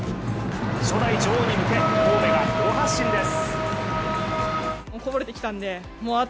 初代女王に向け、神戸が好発進です